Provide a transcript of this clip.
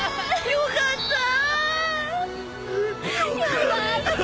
よかったぁ！